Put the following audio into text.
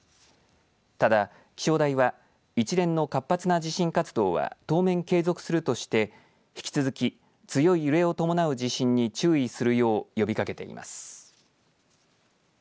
ただ気象台は一連の活発な地震活動は当面継続するとして引き続き強い揺れを伴う地震に注意するよう呼びかけています。